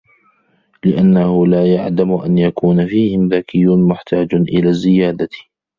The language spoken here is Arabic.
لِأَنَّهُ لَا يَعْدَمُ أَنْ يَكُونَ فِيهِمْ ذَكِيٌّ مُحْتَاجٌ إلَى الزِّيَادَةِ